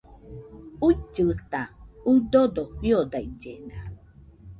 Uillɨta, uidodo fiodaillena